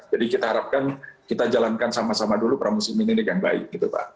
jadi kita harapkan kita jalankan sama sama dulu pramusim ini dengan baik gitu pak